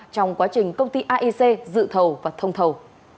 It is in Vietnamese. trong quá trình công ty aic dự thầu và thông thầu